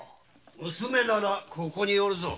娘ならここにおるぞ。